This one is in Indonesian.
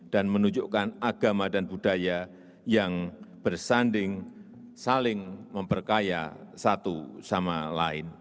dan menunjukkan agama dan budaya yang bersanding saling memperkaya satu sama lain